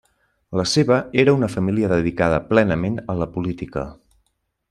La seva era una família dedicada plenament a la política.